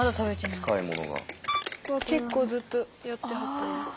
結構ずっとやってはった。